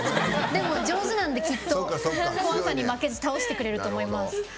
でも上手なんで、きっと怖さに負けず倒してくれると思います。